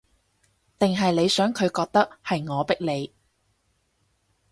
定係你想佢覺得，係我逼你